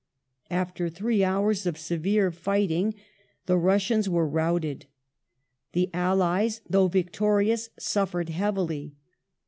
After three hours of severe ^"^^ fighting the Russians were routed. The allies, though victorious, suffered heavily.